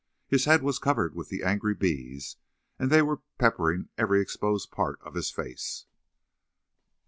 His head was covered with the angry bees, and they were peppering every exposed part of his face.